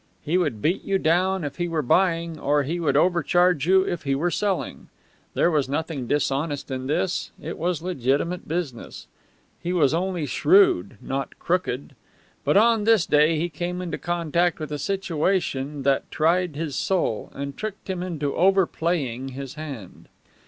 He would beat you down if he were buying, or he would overcharge you if he were selling. There was nothing dishonest in this; it was legitimate business. He was only shrewd, not crooked. But on this day he came into contact with a situation that tried his soul, and tricked him into overplaying his hand.